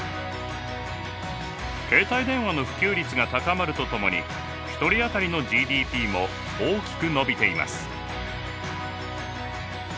携帯電話の普及率が高まるとともに１人当たりのＧＤＰも大きく伸びています。